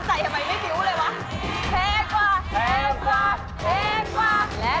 ไอ้คนมั่นใจทำไมไม่ดีกว่าเลยวะ